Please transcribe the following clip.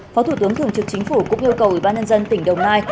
phó thủ tướng thường trực chính phủ cũng yêu cầu ủy ban nhân dân tỉnh đồng nai